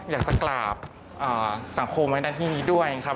อยากจะกราบสังคมไว้ในที่นี้ด้วยครับ